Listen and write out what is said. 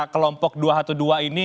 kelompok dua ratus dua belas ini